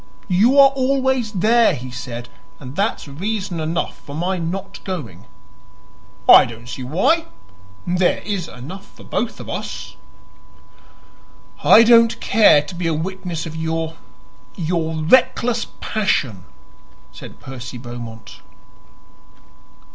"You are always there," he said, "and that's reason enough for my not going." "I don't see why. There is enough for both of us." "I don't care to be a witness of your your reckless passion," said Percy Beaumont.